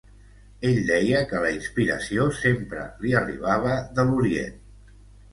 Ell deia que la inspiració sempre li arribava de l’orient.